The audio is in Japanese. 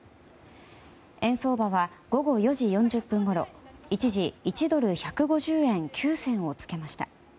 円相場は午後４時４０分ごろ一時１ドル＝１５０円９銭をつけました。